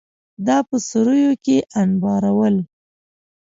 دا په سوریو کې انبارول